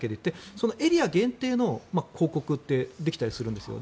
そのエリア限定の広告ってできたりするんですよ。